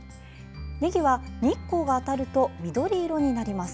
ねぎは日光が当たると緑色になります。